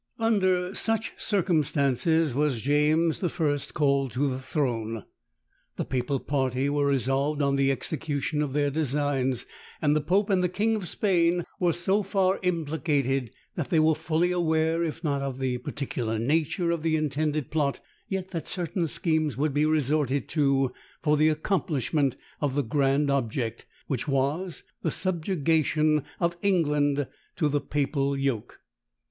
Under such circumstances was James I. called to the throne. The papal party were resolved on the execution of their designs: and the pope and the king of Spain were so far implicated, that they were fully aware, if not of the particular nature of the intended plot, yet that certain schemes would be resorted to for the accomplishment of the grand object, which was the subjugation of England to the papal yoke.